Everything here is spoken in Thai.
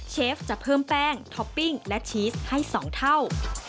เชฟจะเพิ่มแป้งท็อปปิ้งและชีสให้๒เท่า